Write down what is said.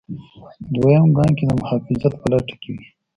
دویم ګام کې د محافظت په لټه کې وي.